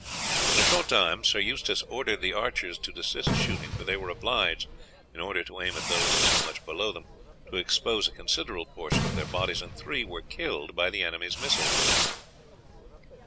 In a short time Sir Eustace ordered the archers to desist shooting, for they were obliged, in order to aim at those so much below them, to expose a considerable portion of their bodies, and three were killed by the enemy's missiles.